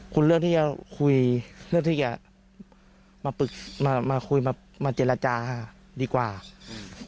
คุณเลือกที่จะคุยเลือกที่จะมาปรึกมามาคุยมามาเจรจาดีกว่าอืม